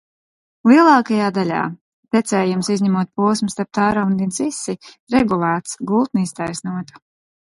Lielākajā daļā tecējums, izņemot posmu starp Tērandi un Sisi, regulēts, gultne iztaisnota.